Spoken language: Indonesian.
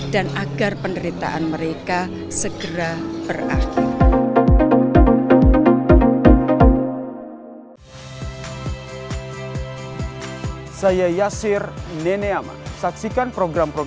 dan agar penderitaan mereka segera berakhir